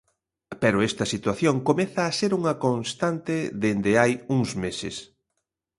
Pero esta situación comeza a ser unha constante dende hai uns meses.